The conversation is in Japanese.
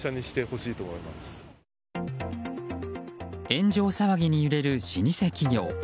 炎上騒ぎに揺れる老舗企業。